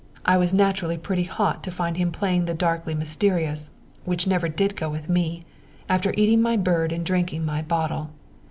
I was naturally pretty hot to find him playing the darkly mysterious, which never did go with me, after eating my bird and drinking my bottle.